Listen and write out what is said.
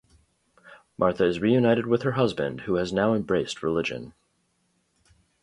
Martha is reunited with her husband, who has now embraced religion.